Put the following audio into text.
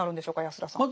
安田さん。